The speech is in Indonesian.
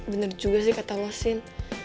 bener juga sih kata lo sin